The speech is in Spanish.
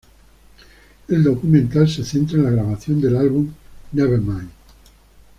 El documental se centra en la grabación del álbum "Nevermind".